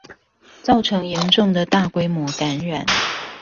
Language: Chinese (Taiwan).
造成嚴重的大規模感染